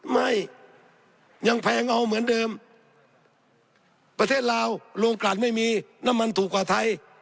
ไม่ยังแพงเอาเหมือนเดิมประเทศลาวโรงการไม่มีน้ำมันถูกกว่าไทย